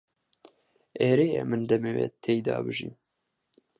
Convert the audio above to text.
ئێرەیە من دەمەوێت تێیدا بژیم.